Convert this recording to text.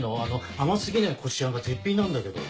甘過ぎないこしあんが絶品なんだけど。